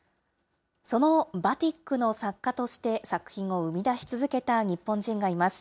そのバティックの作家として作品を生み出し続けた日本人がいます。